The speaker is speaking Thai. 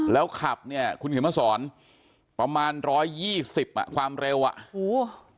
แล้วขับเนี่ยคุณเขียนมาสอนประมาณ๑๒๐อ่ะความเร็ว